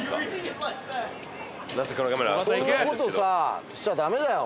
こんな事さしちゃダメだよ